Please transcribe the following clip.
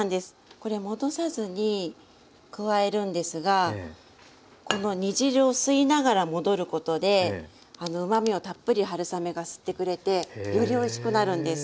これ戻さずに加えるんですがこの煮汁を吸いながら戻ることでうまみをたっぷり春雨が吸ってくれてよりおいしくなるんです。